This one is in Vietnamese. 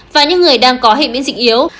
và những người đang có hệ biến dịch yếu